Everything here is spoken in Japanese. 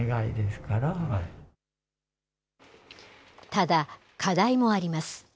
ただ、課題もあります。